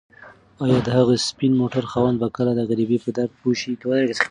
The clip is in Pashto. ایا د هغه سپین موټر خاوند به کله د غریبۍ په درد پوه شي؟